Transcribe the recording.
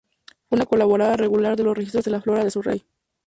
Fue una colaboradora regular de los registros de la flora de Surrey.